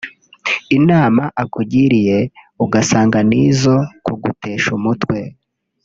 inama akugiriye ugasanga ni izo kugutesha umutwe